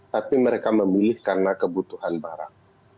tapi mereka memilih karena kebutuhan barang